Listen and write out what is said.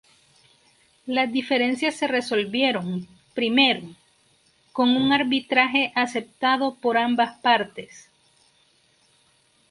Las diferencias se resolvieron, primero, con un arbitraje aceptado por ambas partes.